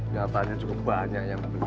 nyatanya cukup banyak yang